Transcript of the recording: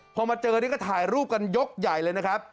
พอมาเจอนี่ก็ถ่ายรูปกันยกใหญ่เลยนะครับ